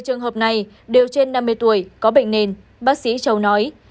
một mươi trường hợp này đều trên năm mươi tuổi có bệnh nền bác sĩ châu nói